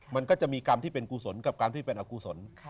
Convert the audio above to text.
มันก็จะมีกรรมที่เป็นกุศลกับการที่เป็นอกุศล